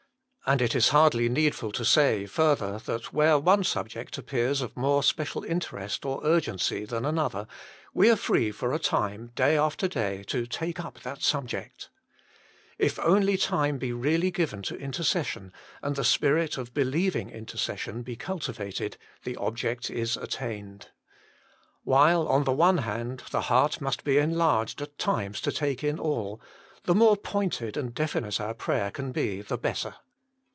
And it is hardly needful to say, further, that where one subject appears of more special interest or urgency than another we are free for a time day after day to take up that subject. If only time be really given to intercession, and the spirit of believing intercession be cultivated, the object is attained. While, on the one hand, the heart must be enlarged at times to take in all, the more pointed and definite our prayer can be the better.